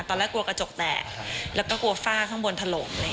ตอนแรกกลัวกระจกแตกแล้วก็กลัวฝ้าข้างบนถล่ม